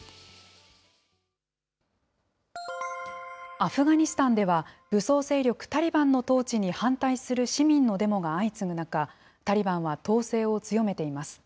アフガニスタンでは、武装勢力タリバンの統治に反対する市民のデモが相次ぐ中、タリバンは統制を強めています。